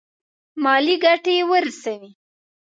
مالي ګټي ورسوي.